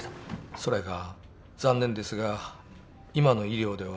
それが残念ですが今の医療では